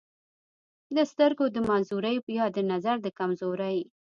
دَسترګو دَمعذورۍ يا دَنظر دَکمزورۍ